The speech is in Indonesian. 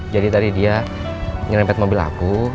jadi tadi dia nyerempet mobil aku